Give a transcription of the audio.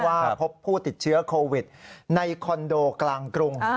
ว่าพบผู้ติดเชื้อโควิดในคอนโดกลางกรุง